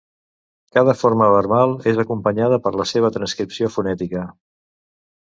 Cada forma verbal és acompanyada per la seva transcripció fonètica.